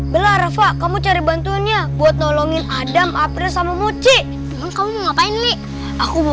belah rafa kamu cari bantunya buat nolongin adam apres sama muci kamu ngapain nih aku mau